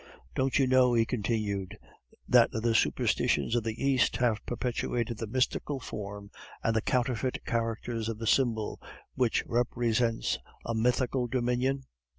"Don't you know," he continued, "that the superstitions of the East have perpetuated the mystical form and the counterfeit characters of the symbol, which represents a mythical dominion?